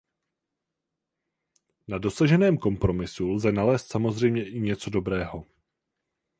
Na dosaženém kompromisu lze nalézt samozřejmě i něco dobrého.